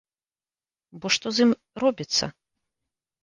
Бо што з ім робіцца?